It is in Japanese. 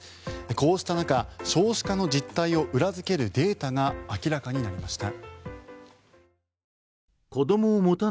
こうした中、少子化の実態を裏付けるデータが明らかになりました。